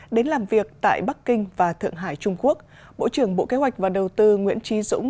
đến làm việc tại bắc kinh và thượng hải trung quốc bộ trưởng bộ kế hoạch và đầu tư nguyễn trí dũng